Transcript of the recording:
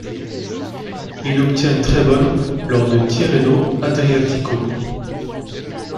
Il obtient une très bonne lors de Tirreno-Adriatico.